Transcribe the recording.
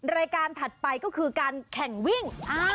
รายการถัดไปก็คือการแข่งวิ่ง